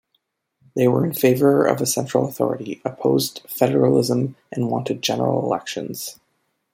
They were in favour of a central authority, opposed federalism, and wanted general elections.